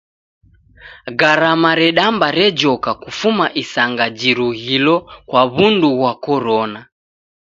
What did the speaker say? Garama redamba rejoka kufuma isanga jirughilo kwa w'undu ghwa korona.